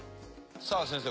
さあ先生